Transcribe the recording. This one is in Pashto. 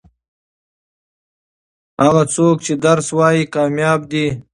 هغه څوک چې درس وايي کامياب دي.